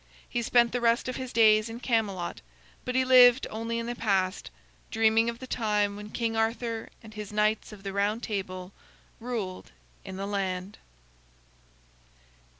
He spent the rest of his days in Camelot, but he lived only in the past, dreaming of the time when King Arthur and his knights of the Round Table ruled in the land.